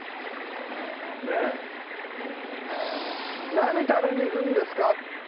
何食べに行くんですか？